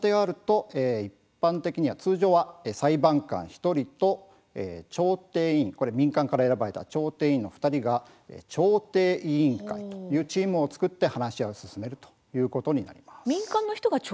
通常は裁判官１人と民間から選ばれた調停委員２人が調停委員会というチームを作って話し合いを進めていくということになります。